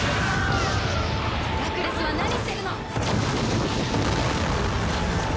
ラクレスは何してるの！？